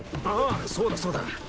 ああそうだそうだ。